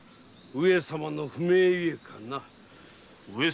上様の不明ゆえ？